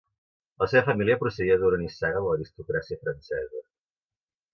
La seva família procedia d'una nissaga de l'aristocràcia francesa.